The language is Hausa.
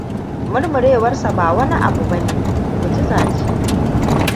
Murmurewarsa ba wani abu bane mu'ujiza.